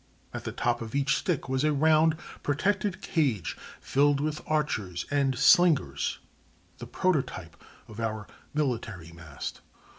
At the top of each stick was a round, protected cage filled with archers and slingers—the prototype of our "military mast."